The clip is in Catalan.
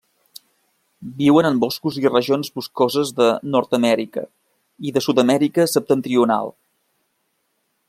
Viuen en boscos i regions boscoses de Nord-amèrica i de Sud-amèrica septentrional.